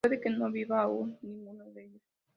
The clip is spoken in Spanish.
Puede que no viva aún ninguno de ellos.